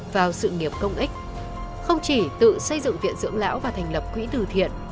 vào sự nghiệp công ích không chỉ tự xây dựng viện dưỡng lão và thành lập quỹ từ thiện